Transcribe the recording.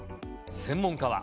専門家は。